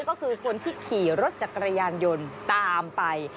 ก็คือคนที่ขี่รถจักรยานยนต์ตามไป